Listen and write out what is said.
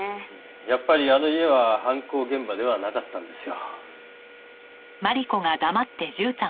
やっぱりあの家は犯行現場ではなかったんですよ。